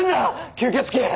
吸血鬼！